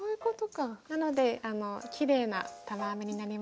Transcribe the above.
なのできれいな玉編みになります。